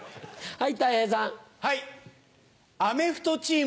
はい。